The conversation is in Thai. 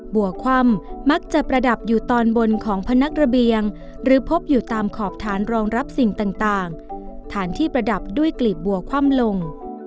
บัวคว่ำมักจะประดับอยู่ตอนบนของพนักระเบียงหรือพบอยู่ตามขอบฐานรองรับสิ่งต่างฐานที่ประดับด้วยกลีบบัวคว่ำลง